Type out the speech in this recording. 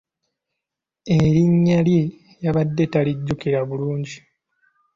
Erinnya lye yabadde talijjukira bulungi.